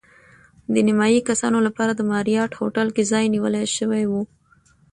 د نیمایي کسانو لپاره د ماریاټ هوټل کې ځای نیول شوی و.